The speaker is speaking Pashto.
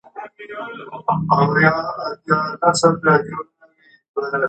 د روسي فرهنګي مرکز رییس ویچسلو نکراسوف دی.